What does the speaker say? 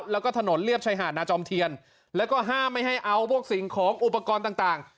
แล้วก็ถนนเรียบชายหาดนาจอมเทียนแล้วก็ห้ามไม่ให้เอาพวกสิ่งของอุปกรณ์ต่าง